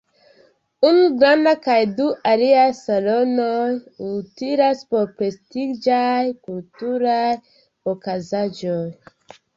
Unu granda kaj du aliaj salonoj utilas por prestiĝaj kulturaj okazaĵoj.